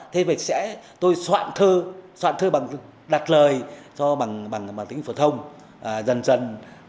thì tôi sẽ soạn thơ soạn thơ bằng đặt lời bằng tính phổ thông dần dần